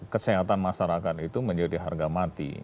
kesehatan masyarakat itu menjadi harga mati